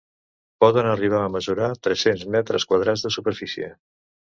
Poden arribar a mesurar tres-cents metres quadrats de superfície.